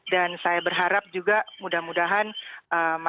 dan saya berharap juga mudah mudahan masyarakat indonesia akan sedikit demis demis